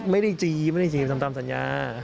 ไม่ได้จีไม่ได้จีตามสัญญา